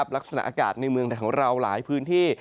ลักษณะอากาศในเมืองไทยของเราหลายพื้นที่